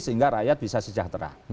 sehingga rakyat bisa sejahtera